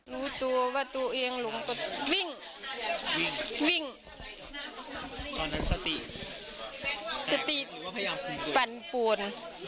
รู้ตัวว่าตัวเองหลงตะวนวิ่งวิ่งตอนนั้นสติสติปันปวน